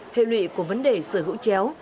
hệ lụy của vấn đề sở hữu chéo